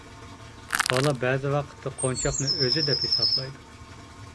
بالا بەزى ۋاقىتتا قونچاقنى ئۆزى دەپ ھېسابلايدۇ.